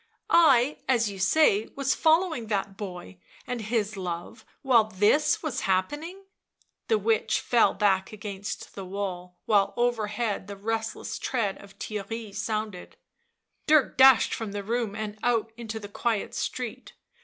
I, as you say, 1 was following that boy and his love while this was happening !" The witch fell back against the wall, while overhead the restless tread of Theirry sounded. Dirk dashed from the room and out into the quiet street.